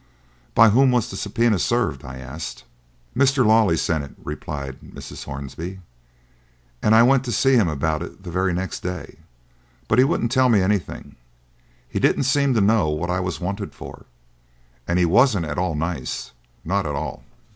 "By whom was the subpoena served?" I asked. "Mr. Lawley sent it," replied Mrs. Hornby, "and I went to see him about it the very next day, but he wouldn't tell me anything he didn't seem to know what I was wanted for, and he wasn't at all nice not at all."